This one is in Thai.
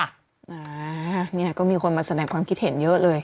แหมเนี่ยก็มีคนมาแสดงความคิดเห็นเยอะเลย